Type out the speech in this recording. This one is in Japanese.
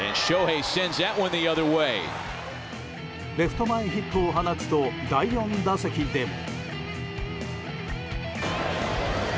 レフト前ヒットを放つと第４打席でも。